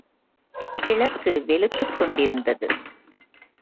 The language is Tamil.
கிழக்கு வெளுத்துக் கொண்டிருந்தது.